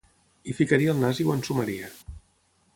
Hi ficaria el nas i ho ensumaria.